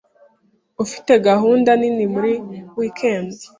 Ufite gahunda nini muri wikendi?